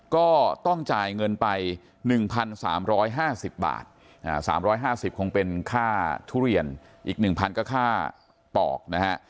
ก็ต้องจ่ายเงินไป๑๓๕๐บาท๓๕๐คงเป็นค่าทุเรียนอีก๑๐๐ก็ค่าปอกนะฮะ